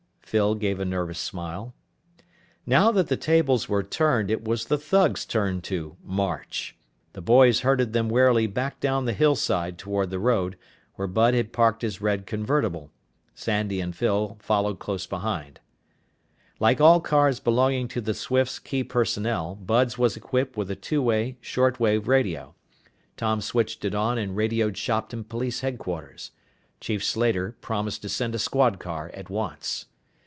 Phyl gave a nervous smile. Now that the tables were turned, it was the thugs' turn to "march." The boys herded them warily back down the hillside toward the road, where Bud had parked his red convertible. Sandy and Phyl followed close behind. [Illustration: Tom and Bud hurled themselves at the thugs] Like all cars belonging to the Swifts' key personnel, Bud's was equipped with a two way shortwave radio. Tom switched it on and radioed Shopton Police Headquarters. Chief Slater promised to send a squad car at once.